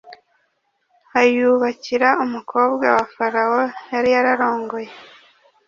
ayubakira umukobwa wa Farawo yari yararongoye